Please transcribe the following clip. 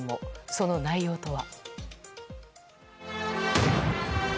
その内容とは。